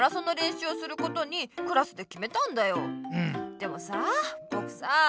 でもさあぼくさあ。